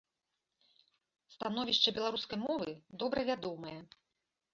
Становішча беларускай мовы добра вядомае.